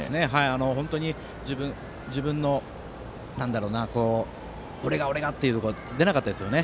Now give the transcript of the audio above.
本当に俺が俺が！というところが出なかったですね。